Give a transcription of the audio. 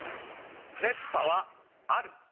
「熱波」はある。